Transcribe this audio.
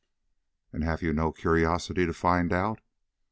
"And have you no curiosity to find out?"